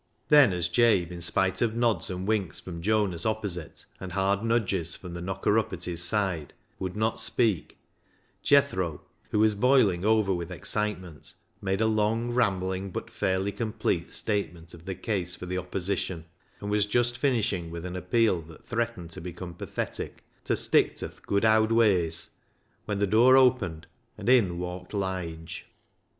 Then as Jabe, in spite of nods and winks from Jonas opposite, and hard nudges from the knocker up at his side, would not speak, Jethro, who was boiling over with excitement, made a long, rambling, but fairly complete statement of the case for the opposition, and was just finishing with an appeal that threatened to become pathetic, to " stick ta th' good owd ways," when the door opened, and in walked Lige.